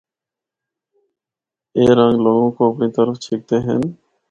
اے رنگ لوگاں کو اپنڑی طرف چِکھدے ہن۔